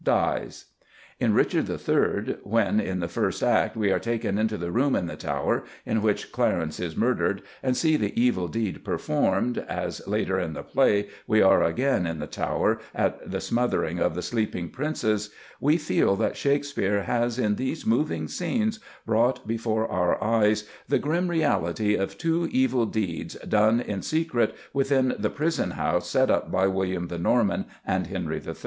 dies. In Richard III. when, in the first act, we are taken into the "room in the Tower" in which Clarence is murdered, and see the evil deed performed as, later in the play, we are again in the Tower at the smothering of the sleeping Princes, we feel that Shakespeare has in these moving scenes brought before our eyes the grim reality of two evil deeds done in secret within the prison house set up by William the Norman and Henry III.